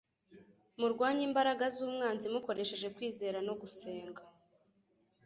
Murwanye imbaraga z'umwanzi mukoresheje kwizera no gusenga.